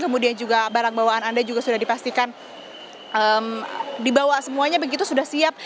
kemudian juga barang bawaan anda juga sudah dipastikan dibawa semuanya begitu sudah siap